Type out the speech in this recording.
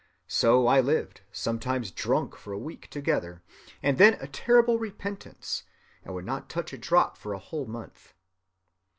So I lived, sometimes drunk for a week together, and then a terrible repentance, and would not touch a drop for a whole month.